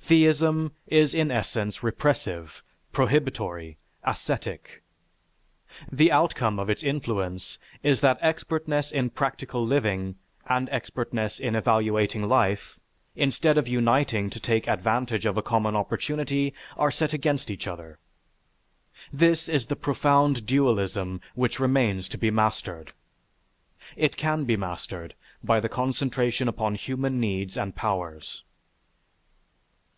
Theism is in essence repressive, prohibitory, ascetic. The outcome of its influence is that expertness in practical living and expertness in evaluating life, instead of uniting to take advantage of a common opportunity, are set against each other. This is the profound dualism which remains to be mastered. It can be mastered by the concentration upon human needs and powers.